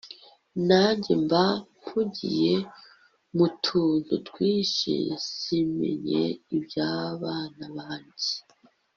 nanjye mba mpugiye mutuntu twinshi simenye ibyabana banjye